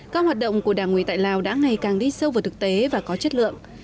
các hoạt động của đảng ủy tại lào đã ngày càng đi sâu vào thực tế và có chất lượng